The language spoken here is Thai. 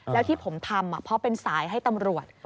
แล้วที่ผมทำเพราะเป็นสายให้ตำรวจ